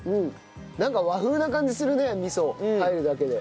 なんか和風な感じするね味噌入るだけで。